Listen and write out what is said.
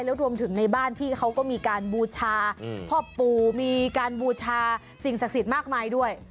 แล้วรวมถึงในบ้านพี่เขาก็มีการบูชาพ่อปู่มีการบูชาสิ่งศักดิ์สิทธิ์มากมายด้วย